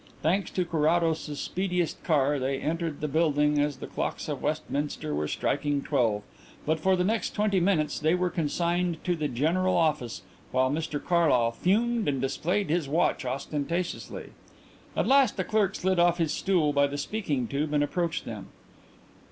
Thanks to Carrados's speediest car, they entered the building as the clocks of Westminster were striking twelve, but for the next twenty minutes they were consigned to the general office while Mr Carlyle fumed and displayed his watch ostentatiously. At last a clerk slid off his stool by the speaking tube and approached them.